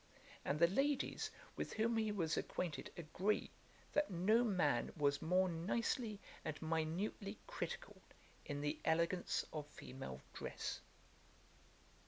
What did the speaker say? And the ladies with whom he was acquainted agree, that no man was more nicely and minutely critical in the elegance of female dress.